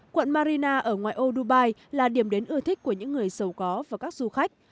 quận marina ở ngoại ô dubai là điểm đến ưa thích của những người giàu có và các du khách